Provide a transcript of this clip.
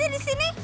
anakku di sini